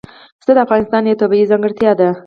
پسه د افغانستان یوه طبیعي ځانګړتیا ده.